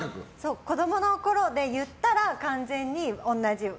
子供のころで言ったら完全に同じ。